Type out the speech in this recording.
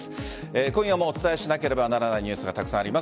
今夜もお伝えしなければならないニュースがたくさんあります。